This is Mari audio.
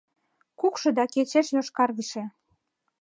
Кукшо да кечеш йошкаргыше.